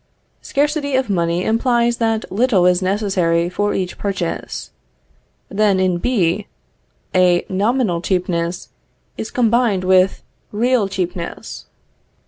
Scarcity of money implies that little is necessary for each purchase. Then in B, a nominal cheapness is combined with real cheapness.